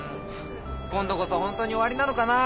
今度こそホントに終わりなのかなぁ？